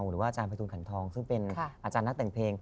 หรือว่าอาจารย์ภัยทูลขันทองซึ่งเป็นอาจารย์นักแต่งเพลง